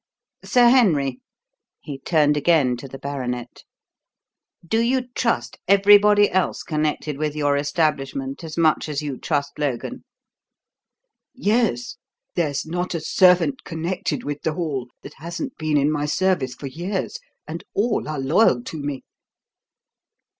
Sir Henry" he turned again to the baronet "do you trust everybody else connected with your establishment as much as you trust Logan?" "Yes. There's not a servant connected with the hall that hasn't been in my service for years, and all are loyal to me."